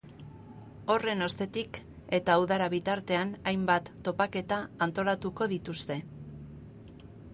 Horren ostetik eta udara bitartean, hainbat topaketa antolatuko dituzte.